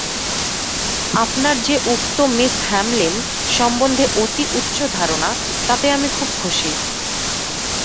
আপনার যে উক্ত মিস হ্যামলিন সম্বন্ধে অতি উচ্চ ধারণা, তাতে আমি খুব খুশী।